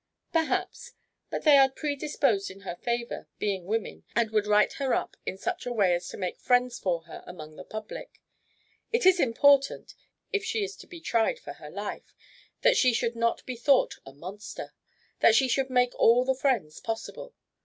"Perhaps. But they are predisposed in her favour, being women, and would write her up in such a way as to make friends for her among the public. It is important, if she is to be tried for her life, that she should not be thought a monster, that she should make all the friends possible.